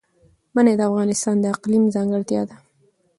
منی د افغانستان د اقلیم ځانګړتیا ده.